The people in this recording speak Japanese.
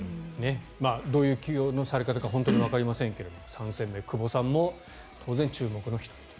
どういう起用のされ方かわかりませんが３戦目、久保さんも当然注目の１人と。